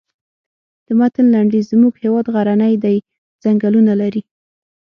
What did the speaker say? د متن لنډیز زموږ هېواد غرنی دی ځنګلونه لري.